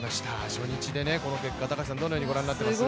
初日でこの結果、高橋さんどのようにご覧になっていますか。